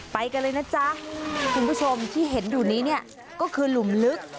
ไปกันเลยนะจ๊ะคุณผู้ชมที่เห็นอยู่นี้เนี่ยก็คือหลุมลึก